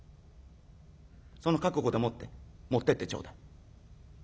その覚悟でもって持ってってちょうだい。